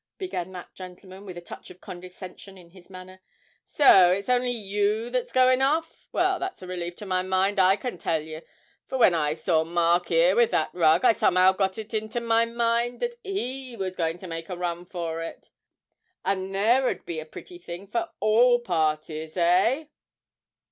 began that gentleman, with a touch of condescension in his manner. 'So it's only you that's goin' off? Well, that's a relief to my mind, I can tell yer; for when I saw Mark 'ere with that rug, I somehow got it into my mind that he was goin' to make a run for it. And there 'ud be a pretty thing for all parties hey?'